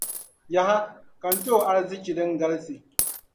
Yaha! Ka n-ti o arzichi din galsi.